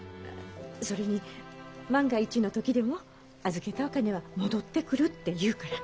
それに万が一の時でも預けたお金は戻ってくるって言うから。